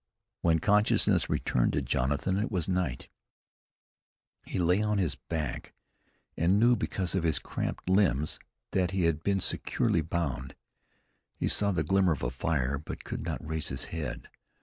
When consciousness returned to Jonathan it was night. He lay on his back, and knew because of his cramped limbs that he had been securely bound. He saw the glimmer of a fire, but could not raise his head.